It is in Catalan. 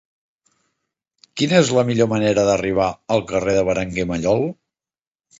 Quina és la millor manera d'arribar al carrer de Berenguer Mallol?